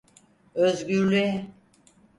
Özgürlüğe…